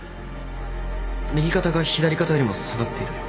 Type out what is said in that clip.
右肩が左肩よりも下がっている